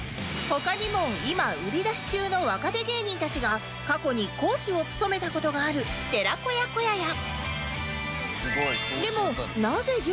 他にも今売り出し中の若手芸人たちが過去に講師を務めた事がある寺子屋こやや